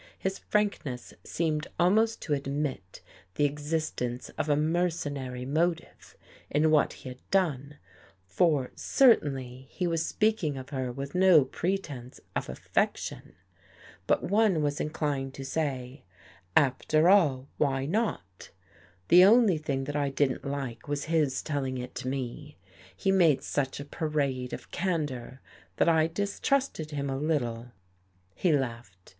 His frankness seemed almost to admit the^existence of a mercenary motive in what he had done, for certainly he was speaking of her with no pretense of affection. But one was inclined to say: "After all, why not? " The only thing that I didn't like was his telling it to me. He made such a parade of candor that I distrusted him a little. He laughed.